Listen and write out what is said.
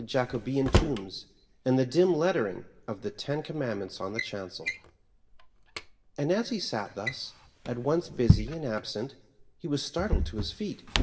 Jacobean tombs^ and the dim lettering of the ten com mandments in the chancel. And as he sat thus, at once busy and absent, he was startled to his feet.